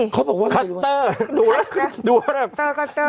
เขาบอกว่าคัสเตอร์